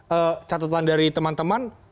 apa catatan dari teman teman